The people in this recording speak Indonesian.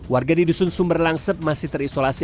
warga di dusun sumber langset masih terisolasi